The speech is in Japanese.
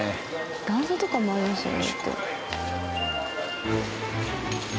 段差とかもありますよね。